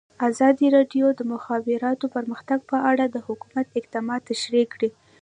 ازادي راډیو د د مخابراتو پرمختګ په اړه د حکومت اقدامات تشریح کړي.